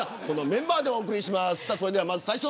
このメンバーでお送りします。